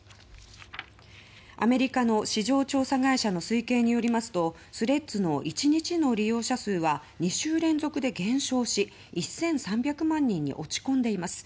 アメリカの市場調査会社の推計によりますとスレッズの１日の利用者数は２週連続で減少し１３００万人に落ち込んでいます。